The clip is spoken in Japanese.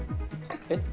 えっ？